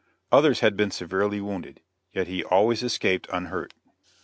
Others had been severely wounded, yet he always escaped unhurt.